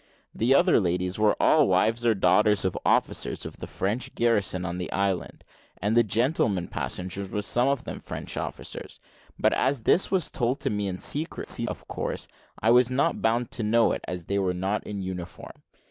The other ladies were all wives or daughters of officers of the French garrison on the island, and the gentlemen passengers were some of them French officers; but as this was told me in secrecy, of course I was not bound to know it, as they were not in uniform.